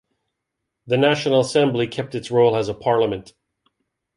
The National Assembly kept its role as a parliament.